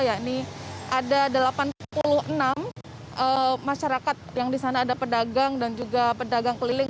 yakni ada delapan puluh enam masyarakat yang di sana ada pedagang dan juga pedagang keliling